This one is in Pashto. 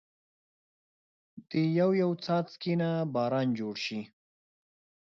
دا يو يو څاڅکي نه باران جوړ شي